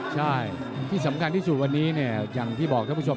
ใช่ที่สำคัญที่สุดวันนี้เนี่ยอย่างที่บอกท่านผู้ชม